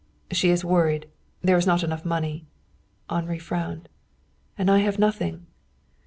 "She is worried. There is not enough money." Henri frowned. "And I have nothing!"